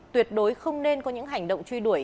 tuyệt đối không nên có những hành động truy đuổi